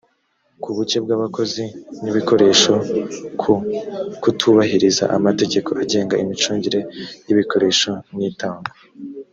ku buke bw abakozi n ibikoresho ku kutubahiriza amategeko agenga imicungire y ibikoresho n itangwa